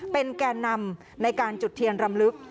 เป็นแก่นำในการจุดเทียนรำลึก